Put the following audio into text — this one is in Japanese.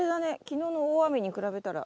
昨日の大雨に比べたら。